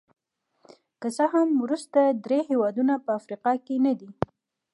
که څه هم وروستي درې هېوادونه په افریقا کې نه دي.